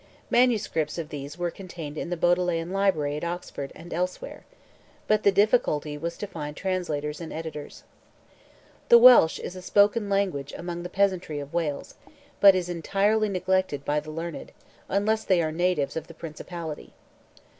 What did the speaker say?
Manuscripts of these were contained in the Bodleian Library at Oxford and elsewhere, but the difficulty was to find translators and editors. The Welsh is a spoken language among the peasantry of Wales, but is entirely neglected by the learned, unless they are natives of the principality.